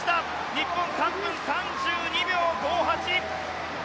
日本、３分３２秒５８。